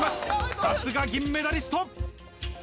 さすが銀メダリスト。